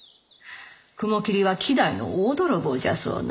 雲霧は希代の大泥棒じゃそうな。